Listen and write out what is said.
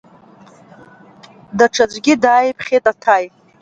Даҽаӡәгьы дааиԥхьеит Аҭаи.